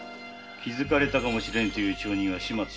気づかれたかもしれぬという町人は？